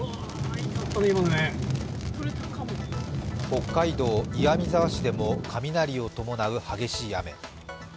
北海道の岩見沢市でも雷を伴う激しい雨。